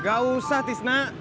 gak usah tisna